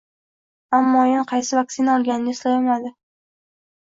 Ammo aynan qaysi vaksina olganini eslay olmadi